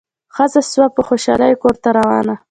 ښځه سوه په خوشالي کورته روانه